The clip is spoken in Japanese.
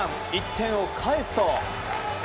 １点を返すと。